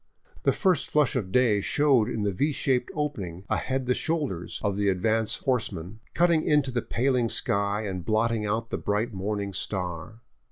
The first flush of day showed in the V shaped opening ahead the shoulders of the advance horseman, cutting into the paling sky and blotting out the iDright morning star.